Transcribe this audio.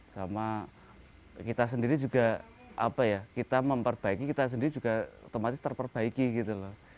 sama kita sendiri juga apa ya kita memperbaiki kita sendiri juga otomatis terperbaiki gitu loh